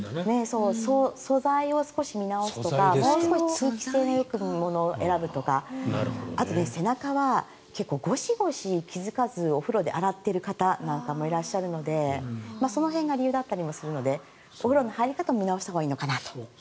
素材を少し見直すとかもう少し通気性のいいものを選ぶとかあと背中はゴシゴシ気付かずお風呂で洗っている方もいらっしゃるのでその辺が理由だったりもするのでお風呂の入り方を見直したほうがいいのかなと。